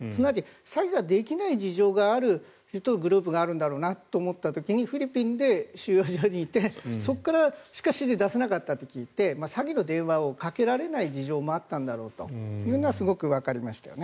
詐欺をできない事情があるグループがあるんだろうなと思った時にフィリピンで収容所にいてそこからしか指示を出せなかったと聞いて詐欺の電話をかけられなかった事情があったんだというのもわかりましたよね。